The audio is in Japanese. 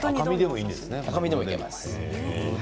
赤身でもいけます。